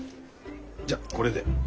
じゃあこれで。